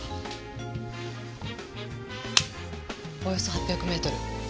およそ８００メートル。